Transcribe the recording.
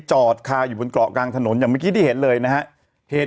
จอดคาอยู่บนเกาะกลางถนนอย่างเมื่อกี้ที่เห็นเลยนะฮะเหตุ